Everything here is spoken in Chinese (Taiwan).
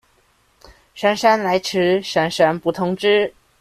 姍姍來遲，姍姍不通知